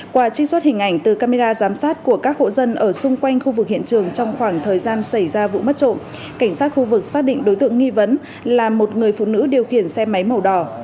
qua trích xuất hình ảnh từ camera giám sát của các hộ dân ở xung quanh khu vực hiện trường trong khoảng thời gian xảy ra vụ mất trộm cảnh sát khu vực xác định đối tượng nghi vấn là một người phụ nữ điều khiển xe máy màu đỏ